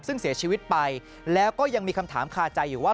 ซึ่งเสียชีวิตไปแล้วก็ยังมีคำถามคาใจอยู่ว่า